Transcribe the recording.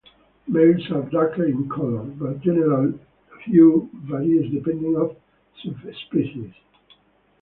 Males are darker in colour, but general hue varies depending on subspecies.